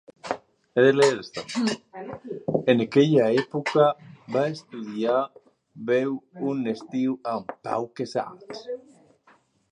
En aquella època va estudiar veu un estiu amb Pau Casals.